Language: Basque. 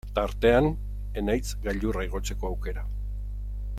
Tartean Enaitz gailurra igotzeko aukera.